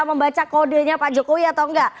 membaca kodenya pak jokowi atau enggak